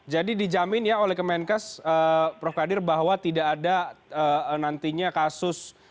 jadi dijamin oleh kemenkes prof khadir bahwa tidak ada nantinya kasus kelebihan